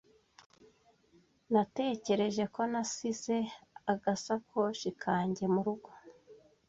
Natekereje ko nasize agasakoshi kanjye mu rugo.